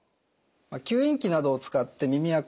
吸引器などを使って耳あか